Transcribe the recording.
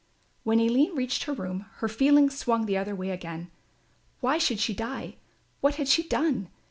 When Aline reached her room, her feelings swung the other way again. "Why should she die; what had she done?